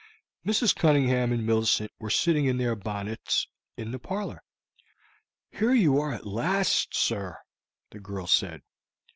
Mrs. Cunningham and Millicent were sitting in their bonnets in the parlor. "Here you are at last, sir," the girl said.